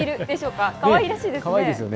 かわいらしいですね。